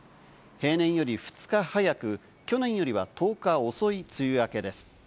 平年より２日早く、去年よりは１０日遅い梅雨明けです。